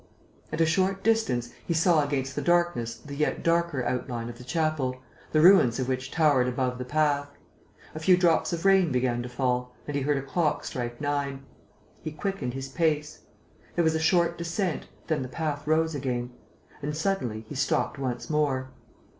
At a short distance, he saw against the darkness the yet darker outline of the chapel, the ruins of which towered above the path. A few drops of rain began to fall; and he heard a clock strike nine. He quickened his pace. There was a short descent; then the path rose again. And suddenly, he stopped once more.